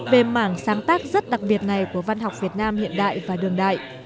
về mảng sáng tác rất đặc biệt này của văn học việt nam hiện đại và đường đại